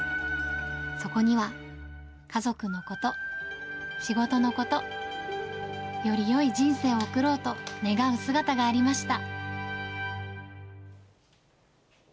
そこには家族のこと、仕事のこと、よりよい人生を送ろうと願う姿がありました。